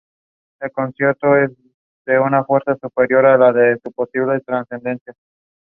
The applicant for this medicinal product is Roche Registration GmbH.